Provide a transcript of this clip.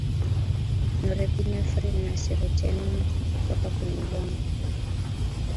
norepinephrine na serotonin kutoka kwenye ubongo